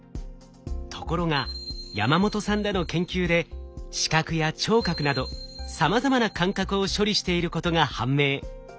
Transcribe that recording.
ところが山本さんらの研究で視覚や聴覚などさまざまな感覚を処理していることが判明。